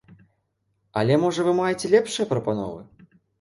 Але можа вы маеце лепшыя прапановы?